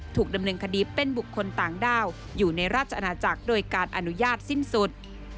ถูกดำเนินคดีเป็นบุคคลต่างด้าวอยู่ในราชอาณาจักรโดยการอนุญาตสิ้นสุด